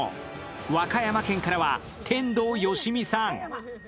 和歌山県からは天童よしみさん。